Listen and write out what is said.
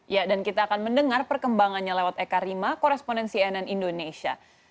ya dan kita akan mendengar perkembangannya lewat eka rima korespondensi nn indonesia